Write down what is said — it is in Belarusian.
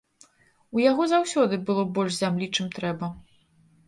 У яго заўсёды было больш зямлі, чым трэба.